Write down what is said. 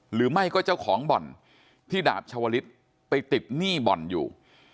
หรือไม่ก็เจ้าของบ่อนที่ดาบชาวลิศไปติดหนี้บ่อนอยู่